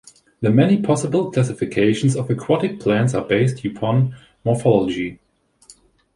The many possible classifications of aquatic plants are based upon morphology.